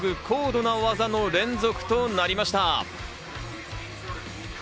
高度な技の連続となりました。